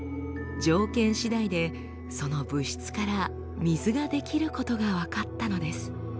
条件しだいでその物質から水が出来ることが分かったのです。